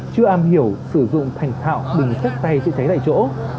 chưa am hiểu sử dụng thành thạo bình sách tay chữa cháy tại chỗ